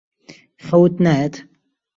خەوت نایەت؟